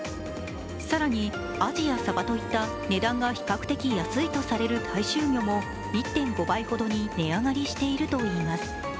更に、アジやサバといった値段が比較的安いとされる大衆魚も１．５倍ほどに値上がりしているといいます。